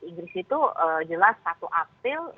inggris itu jelas satu april